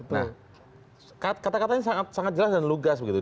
nah kata katanya sangat jelas dan lugas begitu